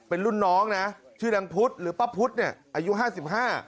เป็นรุ่นน้องนะชื่อดังพุธหรือป้าพุธเนี่ยอายุ๕๕